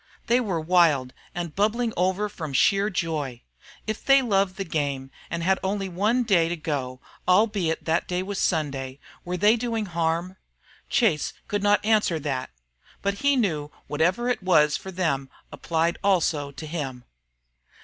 They were wild and bubbling over from sheer joy. If they loved the game and had only one day to go, albeit that day was Sunday, were they doing harm? Chase could not answer that. But he knew whatever it was for them applied also to him.